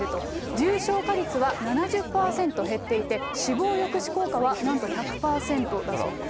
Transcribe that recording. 重症化率は７０％減っていて、死亡抑止効果はなんと１００％だそうです。